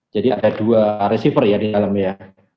jadi ada dua receiver ya di dalamnya